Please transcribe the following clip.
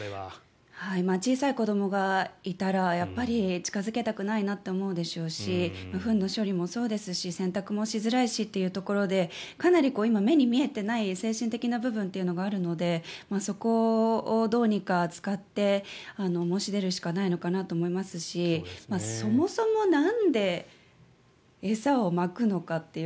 小さい子どもがいたらやっぱり近付けたくないなと思うでしょうしフンの処理もそうですし洗濯もしづらいしというところでかなり今、目に見えていない精神的な部分があるのでそこをどうにか使って申し出るしかないのかなと思いますしそもそもなんで餌をまくのかっていう。